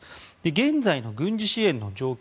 現在の軍事支援の状況